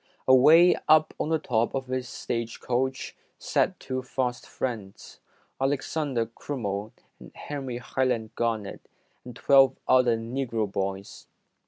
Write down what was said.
Away up on the top of this stage coach, sat two fast friends, Alexander Crummell and Henry Highland Garnet, and twelve other Negro boys.